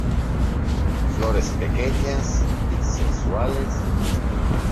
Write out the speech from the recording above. Flores pequeñas, bisexuales.